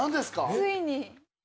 ついに。